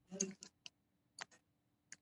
د چينار ونه يې ووهله